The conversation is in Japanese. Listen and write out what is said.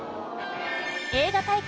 映画大国